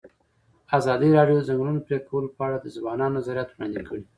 ازادي راډیو د د ځنګلونو پرېکول په اړه د ځوانانو نظریات وړاندې کړي.